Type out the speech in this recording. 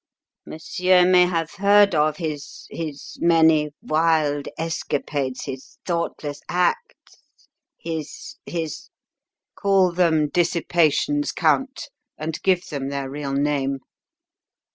Monsieur may have heard of his his many wild escapades his thoughtless acts, his his " "Call them dissipations, Count, and give them their real name.